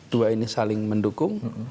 dua ini saling mendukung